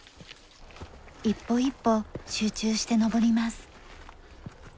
一歩一歩集中して登ります。